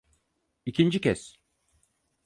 İkinci kez.